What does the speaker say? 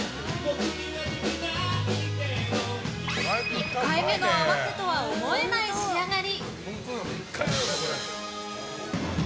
１回目の合わせとは思えない仕上がり。